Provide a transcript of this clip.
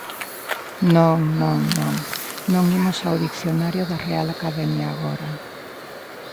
Non, non, non; non imos ao Dicionario da Real Academia agora.